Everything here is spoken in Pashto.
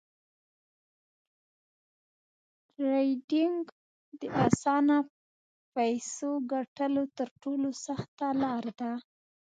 ټریډینګ د اسانه فیسو ګټلو تر ټولو سخته لار ده